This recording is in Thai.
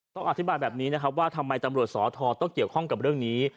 ต้องอธิบายแบบนี้นะครับว่าทำไมตำรวจสอทรต้องเกี่ยวข้องกับเรื่องนี้